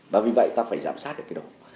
và vì vậy ta phải giám sát được cái đó